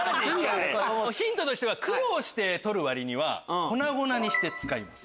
ヒントとしては苦労して採る割に粉々にして使います。